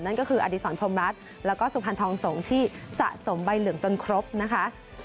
นั่นก็คืออดีศรพรมรัฐแล้วก็สุพรรณทองสงฆ์ที่สะสมใบเหลืองจนครบนะคะ